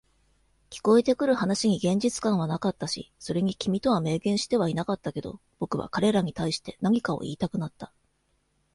聞こえてくる話に現実感はなかったし、それに君とは明言してはいなかったけど、僕は彼らに対して何かを言いたくなった。